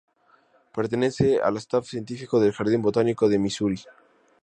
Pertenece al staff científico del Jardín Botánico de Missouri.